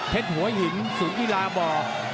เพชรหัวหินศูนย์ฮีลาบอร์